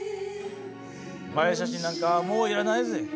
映え写真なんかもういらないぜ。